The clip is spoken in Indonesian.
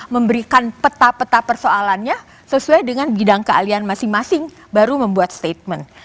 memberikan peta peta persoalannya sesuai dengan bidang kealian masing masing baru membuat statement